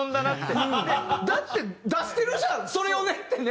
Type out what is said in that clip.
だって出してるじゃんそれをねってね。